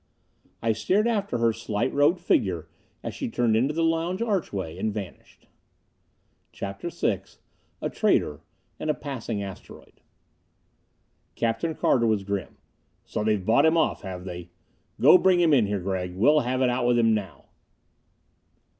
I stared after her slight robed figure as she turned into the lounge archway and vanished. CHAPTER VI A Traitor, and a Passing Asteroid Captain Carter was grim. "So they've bought him off, have they? Go bring him in here, Gregg. We'll have it out with him now."